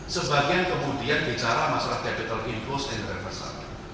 sebagian kemudian bicara masalah capital influence and revestment